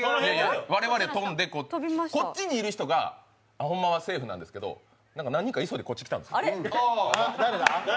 我々、跳んで、こっちにいる人がほんまはセーフなんですけど、何人か急いでこっち来たんですよ。